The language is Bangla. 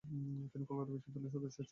তিনি কলকাতা বিশ্ববিদ্যালয়ের সদস্য ছিলেন।